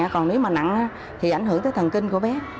còn nếu mà nặng thì ảnh hưởng tới thần kinh của bé